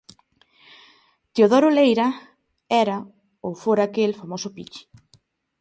Teodoro Leira era ou fora aquel famoso Pichi.